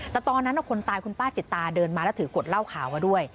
แต่ตอนนั้นคนตายคุณป้าจิตตาเดินมาแล้วถือกดเหล้าขาวมาด้วย